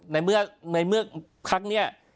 ไม่มีเมื่อครั้งเนี่ย